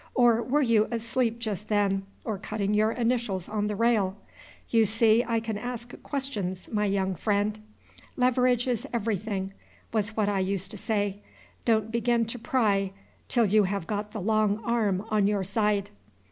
or were you asleep just then, or cutting your initials on the rail? (You see I can ask questions, my young friend.) Leverage is everything, was what I used to say; don't begin to pry till you have got the long arm on your side.